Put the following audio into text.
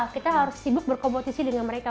kita harus sibuk berkompetisi dengan mereka